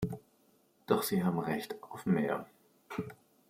Doch sie haben Recht auf mehr.